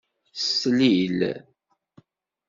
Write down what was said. Slil.